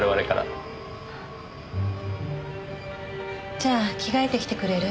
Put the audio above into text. じゃあ着替えてきてくれる？